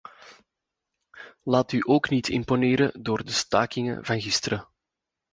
Laat u ook niet imponeren door de stakingen van gisteren.